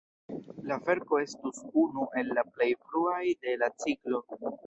La verko estus unu el la plej fruaj de la ciklo.